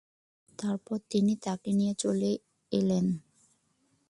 তারপর তিনি তাকে নিয়ে চলে এলেন।